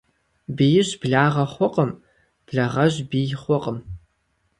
Биижь благъэ хъуркъым, благъэжь бий хъуркъым.